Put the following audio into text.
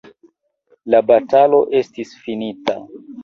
La batalo estis finita.